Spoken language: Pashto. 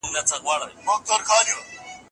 آیا د مسمومیت مخنیوی د اوبو په چاڼ کولو سره کیږي؟